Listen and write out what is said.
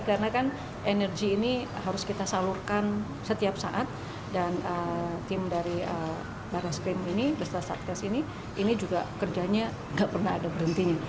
karena kan energi ini harus kita salurkan setiap saat dan tim dari baris krim ini bersetat satgas ini ini juga kerjanya tidak pernah ada berhentinya